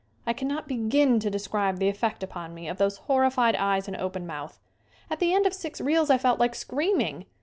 I cannot begin to describe the effect upon me of those horrified eyes and open mouth. At the end of six reels I felt like screaming.